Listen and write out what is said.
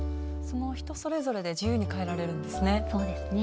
人それぞれで自由にかえられるんですね。